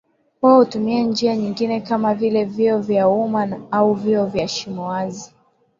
Wao hutumia njia nyingine kama vile vyoo vya umma au vyoo vya shimo wazi